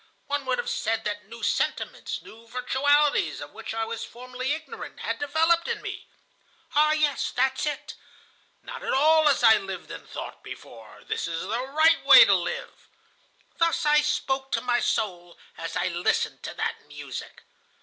One would have said that new sentiments, new virtualities, of which I was formerly ignorant, had developed in me. 'Ah, yes, that's it! Not at all as I lived and thought before! This is the right way to live!' "Thus I spoke to my soul as I listened to that music.